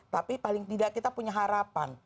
tapi paling tidak kita punya harapan